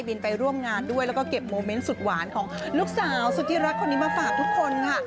ไปร่วมงานด้วยแล้วก็เก็บโมเมนต์สุดหวานของลูกสาวสุธิรักคนนี้มาฝากทุกคนค่ะ